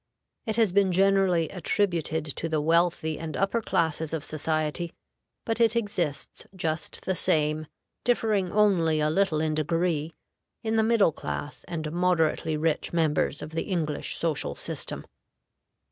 It has been generally attributed to the wealthy and upper classes of society, but it exists just the same, differing only a little in degree, in the middle class and moderately rich members of the English social system.